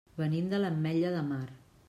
Venim de l'Ametlla de Mar.